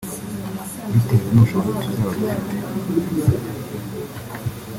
bitewe n’ubushobozi tuzaba dufite